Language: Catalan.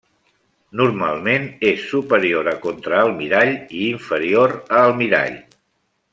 Normalment és superior a Contraalmirall i inferior a almirall.